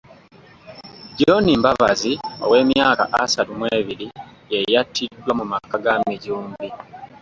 John Mbabazi ow’emyaka asatu mu ebiri ye yattiddwa mu maka ga Mijumbi.